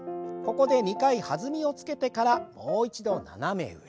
ここで２回弾みをつけてからもう一度斜め上。